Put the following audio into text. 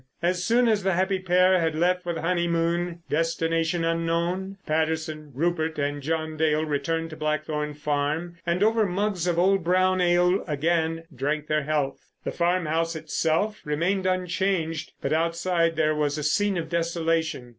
As soon as the happy pair had left for the honeymoon—destination unknown—Patterson, Rupert, and John Dale returned to Blackthorn Farm, and over mugs of old brown ale again drank their health. The farmhouse itself remained unchanged, but outside there was a scene of desolation.